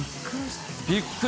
びっくり。